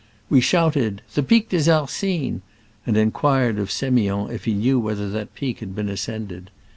We shouted, " The Pic des Arcines !" and inquired of S6miond if he knew whether that peak had been ascended.